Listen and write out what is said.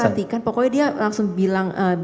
saya tidak mengerti pokoknya dia langsung bilang